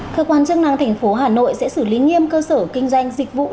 cơ quan chức năng tp hà nội sẽ xử lý nghiêm cơ sở kinh doanh dịch vụ lưu trú